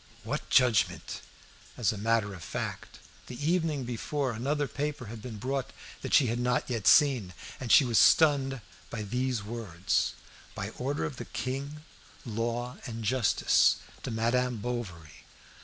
What judgment? As a matter of fact, the evening before another paper had been brought that she had not yet seen, and she was stunned by these words "By order of the king, law, and justice, to Madame Bovary."